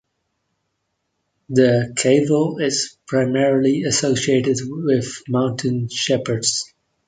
The kaval is primarily associated with mountain shepherds.